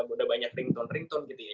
udah banyak ringtone ringtone gitu ya